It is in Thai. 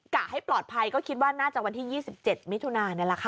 กะให้ปลอดภัยก็คิดว่าน่าจะวันที่๒๗มิถุนานี่แหละค่ะ